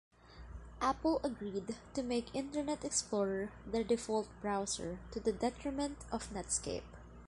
Apple agreed to make Internet Explorer their default browser, to the detriment of Netscape.